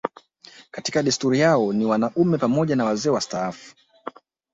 Katika desturi yao ni wanaume pamoja na wazee wastaafu